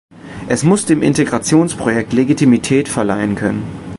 Es muss dem Integrationsprojekt Legitimität verleihen können.